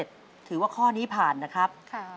สวัสดีครับ